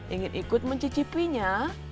ingin ikut mencicipinya